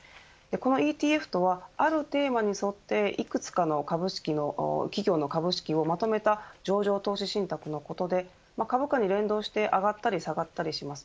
このＥＴＦとはあるテーマに沿っていくつかの企業の株式をまとめた上場投資信託のことで株価に連動して上がったり下がったりします。